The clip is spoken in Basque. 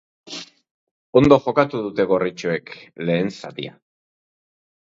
Ondo jokatu dute gorritxoek lehen zatian.